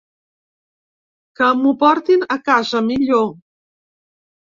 Que m'ho portin a casa millor.